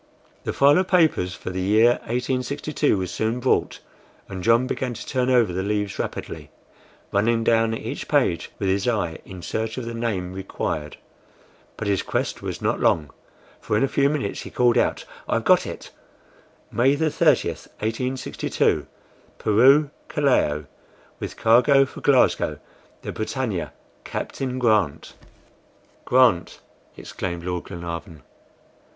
The file of papers for the year 1862 was soon brought, and John began to turn over the leaves rapidly, running down each page with his eye in search of the name required. But his quest was not long, for in a few minutes he called out: "I've got it! 'May 30, 1862, Peru Callao, with cargo for Glasgow, the BRITANNIA, Captain Grant.'" "Grant!" exclaimed Lord Glenarvan.